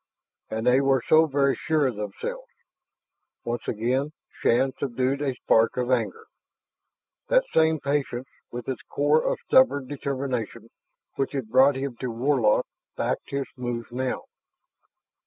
And they were so very sure of themselves.... Once again Shann subdued a spark of anger. That same patience with its core of stubborn determination which had brought him to Warlock backed his moves now.